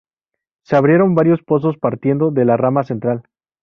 Se abrieron varios pozos partiendo de la rama central.